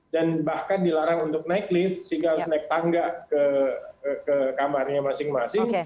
dan bahkan dilarang untuk naik lift sehingga harus naik tangga ke kamarnya masing masing